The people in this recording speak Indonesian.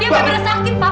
dia berasakit pak